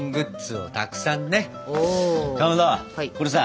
かまどこれさ